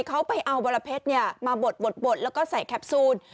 เขาไปเอาบรเพชรมาบดแล้วก็ใส่แคปซูล